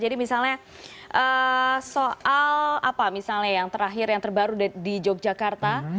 jadi misalnya soal apa misalnya yang terakhir yang terbaru di yogyakarta